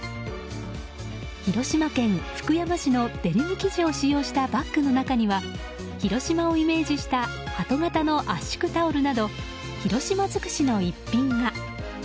広島県福山市のデニム生地を使用したバッグの中には広島をイメージしたハト型の圧縮タオルなど広島尽くしの逸品が。